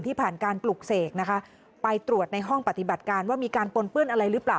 ผ่านการปลุกเสกนะคะไปตรวจในห้องปฏิบัติการว่ามีการปนเปื้อนอะไรหรือเปล่า